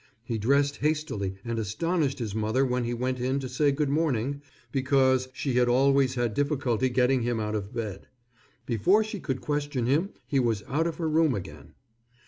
He dressed hastily and astonished his mother when he went in to say good morning because she had always had difficulty getting him out of bed. Before she could question him he was out of her room again.